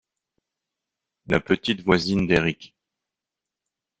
La petite voisine d'Eric.